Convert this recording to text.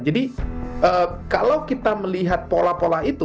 jadi kalau kita melihat pola pola itu